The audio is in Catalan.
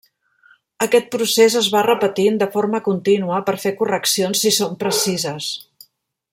Aquest procés es va repetint de forma contínua per fer correccions si són precises.